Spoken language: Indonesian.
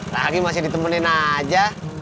lagi masih ditemenin aja